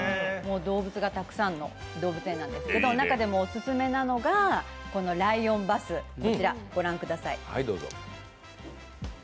動物がたくさんの動物園なんですけど、中でもオススメなのがこのライオンバスです。